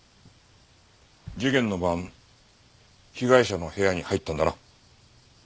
事件の晩被害者の部屋に入ったんだな。